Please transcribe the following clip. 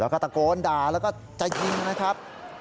แล้วก็ตะโกนด่าแล้วก็จะยิงนะครับ